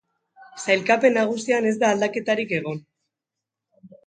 Sailkapen nagusian ez da aldaketarik egon.